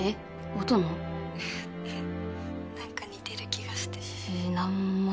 ☎うん何か似てる気がしてえー